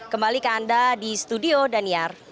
kembali ke anda di studio daniar